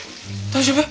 大丈夫？